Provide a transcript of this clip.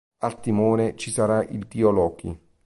Al timone ci sarà il dio Loki.